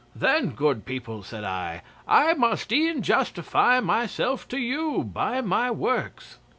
'"Then, good people," said I, "I must e'en justify myself to you by my works."